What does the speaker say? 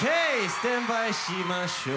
スタンバイしましょう。